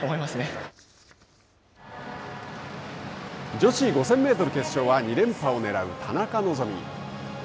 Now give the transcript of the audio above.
女子５０００メートル決勝は２連覇をねらう田中希実。